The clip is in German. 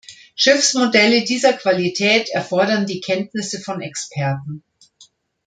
Schiffsmodelle dieser Qualität erfordern die Kenntnisse von Experten.